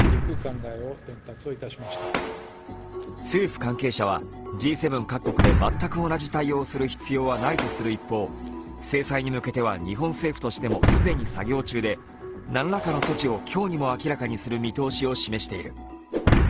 政府関係者はＧ７各国で全く同じ対応をする必要はないとする一方、制裁に向けては日本政府としても既に作業中で何らかの措置を今日にも明らかにする見通しを示している。